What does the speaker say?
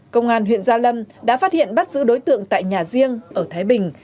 công an huyện gia lâm đã phát hiện bắt giữ đối tượng tại nhà riêng ở thái bình